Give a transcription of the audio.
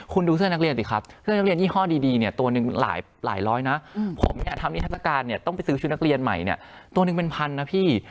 คุณดูเสื้อนักเรียนสิครับเสื้อนักเรียนยี่ห้อดีเนี่ยตัวหนึ่งหลายร้อยนะผมเนี่ยทำนิทัศกาลเนี่ยต้องไปซื้อชุดนักเรียนใหม่เนี่ยตัวหนึ่งเป็นพันนะพี่